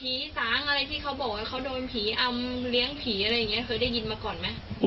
สางอะไรที่เขาบอกว่าเขาโดนผีอำเลี้ยงผีอะไรอย่างนี้เคยได้ยินมาก่อนไหม